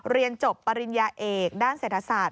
เรียนจบปริญญาเอกด้านเศรษฐศาสต